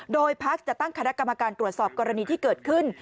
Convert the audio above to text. โดยพักจะตั้งคณะกรรมการตรวจสอบกรณีที่เกิดขึ้น